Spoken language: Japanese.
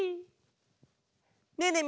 ねえねえ